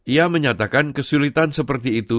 ia menyatakan kesulitan seperti itu